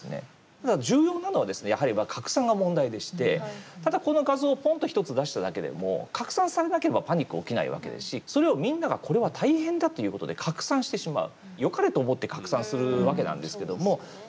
ただ重要なのはですね、やはり拡散が問題でしてただ、この画像をポンと１つ出しただけでも拡散されなければパニックは起きないわけですしそれをみんなが、これは大変だということで拡散してしまう。